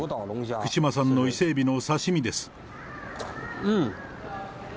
福島産の伊勢エビの刺身です。